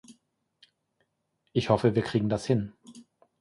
Ich hoffe, wir kriegen das hin.